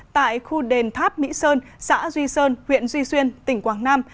tại khu đền tháp mỹ sơn xã duy sơn huyện duy xuyên tỉnh quảng nam